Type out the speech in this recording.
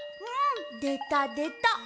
うんでたでた！